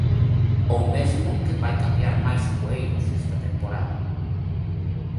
Ou mesmo quen vai cambiar máis cueiros esta temporada.